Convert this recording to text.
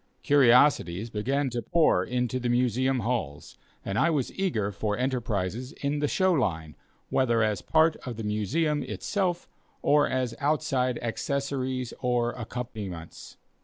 Curiosities began to pour into the Museum halls, and I was eager for enterprises in the show line, whether as part of the Museum itself, or as outside accessories or accompaniments.